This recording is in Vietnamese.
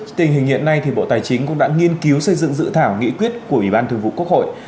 vâng trước tình hình hiện nay thì bộ tài chính cũng đã nghiên cứu xây dựng dự thảo nghị quyết của ủy ban thường vụ quốc hội